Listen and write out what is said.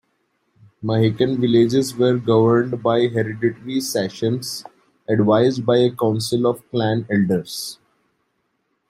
Mahican villages were governed by hereditary sachems advised by a council of clan elders.